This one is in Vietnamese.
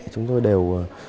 chúng tôi đều